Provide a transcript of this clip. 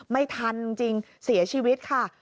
ไม่ทันจริงเสียชีวิตค่ะ